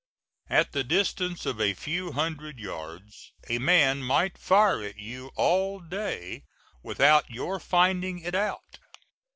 At the distance of a few hundred yards a man might fire at you all day without your finding it out.